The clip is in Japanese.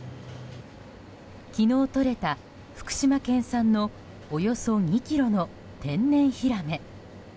昨日とれた福島県産のおよそ２キロの天然ヒラメ。